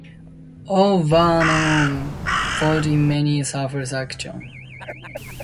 "O'Bannon" fought in many surface actions.